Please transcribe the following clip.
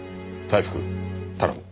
大福頼む。